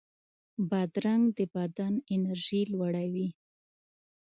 بادرنګ د بدن انرژي لوړوي.